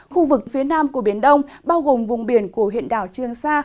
khu vực phía nam của biển đông bao gồm vùng biển của huyện đảo trương sa